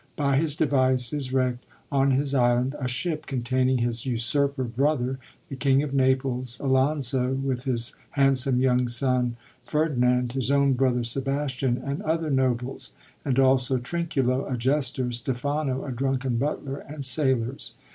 By his device is wreckt on his island a ship containing his usurper brother, the King of Naples, Alonso, with his handsome young son Ferdinand, his own brother Sebas tian, and other nobles, and also Trinculo a jester, Stephano a drunken butler, and sailors.